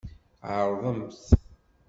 Ɛerḍemt!